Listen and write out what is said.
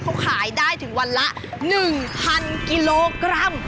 เขาขายได้ถึงวันละ๑๐๐กิโลกรัม